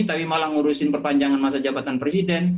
tapi malah ngurusin perpanjangan masa jabatan presiden